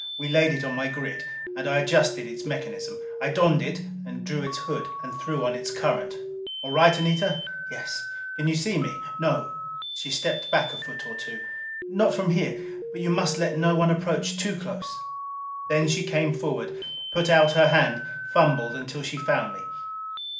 We laid it on my grid, and I adjusted its mechanism. I donned it and drew its hood, and threw on its current. "All right, Anita?" "Yes." "Can you see me?" "No." She had stepped back a foot or two. "Not from here. But you must let no one approach too close." Then she came forward, put out her hand, fumbled until she found me.